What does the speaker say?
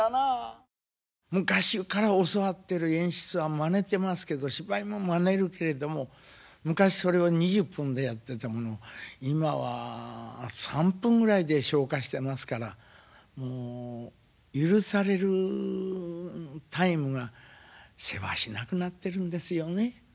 昔から教わってる演出はまねてますけど芝居もまねるけれども昔それを２０分でやってたものを今は３分ぐらいで消化してますからもう許されるタイムがせわしなくなってるんですよね。